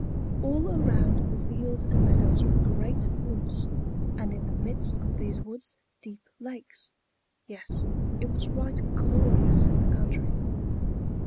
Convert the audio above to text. All around the fields and meadows were great woods, and in the midst of these woods deep lakes. Yes, it was right glorious in the country.